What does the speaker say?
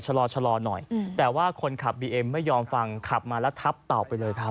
ชะลอหน่อยแต่ว่าคนขับบีเอ็มไม่ยอมฟังขับมาแล้วทับเต่าไปเลยครับ